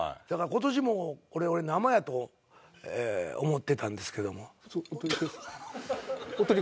だから今年もこれ俺生やと思ってたんですけども。